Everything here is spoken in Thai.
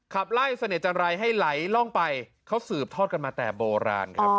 ขับไล่เสน่หรให้ไหลล่องไปเขาสืบทอดกันมาแต่โบราณครับ